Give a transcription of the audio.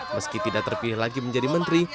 meski tidak terpilih lagi menjadi menteri